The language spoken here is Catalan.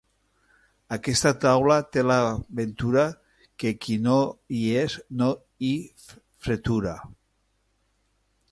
Aquesta taula té la ventura que qui no hi és no hi fretura.